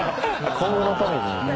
今後のために？